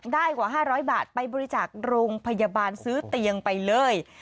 กว่า๕๐๐บาทไปบริจาคโรงพยาบาลซื้อเตียงไปเลย